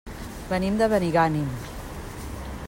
Venim de Benigànim.